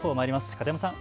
片山さん